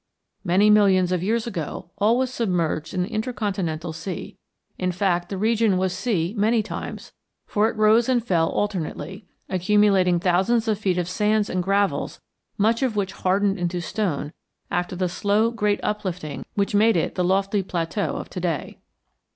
Many millions of years ago all was submerged in the intercontinental sea; in fact the region was sea many times, for it rose and fell alternately, accumulating thousands of feet of sands and gravels much of which hardened into stone after the slow great uplifting which made it the lofty plateau of to day.